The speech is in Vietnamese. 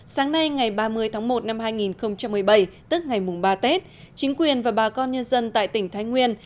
sáng nay ngày ba mươi tháng một năm hai nghìn một mươi bảy tức ngày mùng ba tết chính quyền và bà con nhân dân tại tỉnh thái nguyên